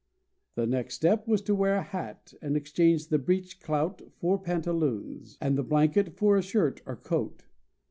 The next step was to wear a hat, and exchange the breech clout for pantaloons, and the blanket for a shirt or coat.